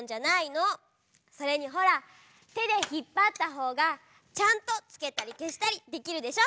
それにほらてでひっぱったほうがちゃんとつけたりけしたりできるでしょ。